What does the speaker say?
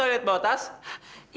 nungguin bahan tadi